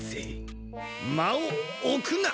間をおくな！